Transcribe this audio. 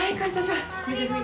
ありがとう！